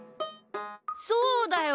そうだよ！